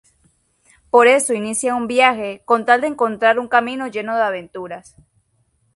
Por eso inicia un viaje con tal de encontrar un camino lleno de aventuras.